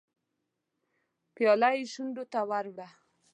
پياله يې شونډو ته ور وړه.